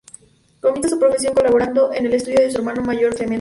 Comienza su profesión colaborando en el estudio de su hermano mayor Clemente.